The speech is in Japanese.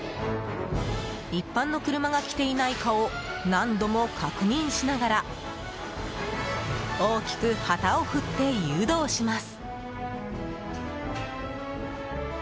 一般の車が来ていないかを何度も確認しながら大きく旗を振って誘導します。